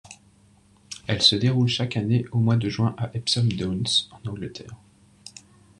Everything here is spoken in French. Elle se déroule chaque année au mois de juin à Epsom Downs, en Angleterre.